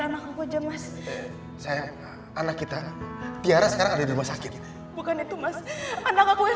anakku aja mas saya anak kita tiara sekarang ada di rumah sakit bukan itu mas anak aku yang